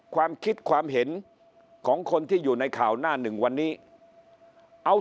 ความคิดความเห็นของคนที่อยู่ในข่าวหน้าหนึ่งวันนี้เอา